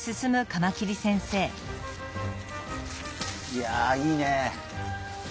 いやいいね。